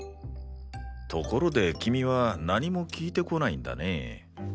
ところで君は何も聞いてこないんだね。